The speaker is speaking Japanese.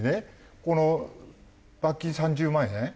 この罰金３０万円？